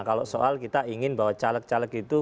kalau soal kita ingin bahwa caleg caleg itu